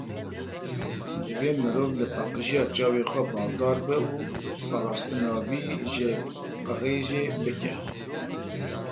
Divê mirov li paqijiya çavê xwe baldar be û parastina wî ji qirêjê bike.